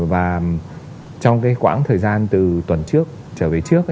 và trong cái khoảng thời gian từ tuần trước trở về trước